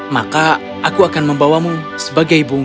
maka aku akan membawamu sebagai bunga